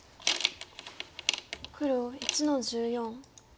黒１の十四。